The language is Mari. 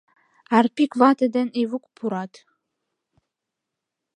Арпик вате ден Ивук пурат.